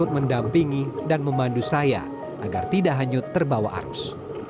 sehingga tidak hanya terbawa arus